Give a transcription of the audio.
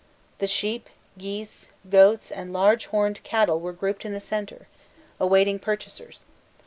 The sheep, geese, goats, and large horned cattle were grouped in the centre, awaiting purchasers.